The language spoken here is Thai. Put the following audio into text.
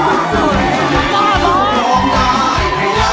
ต้องยอมได้ให้รักยังไม่มี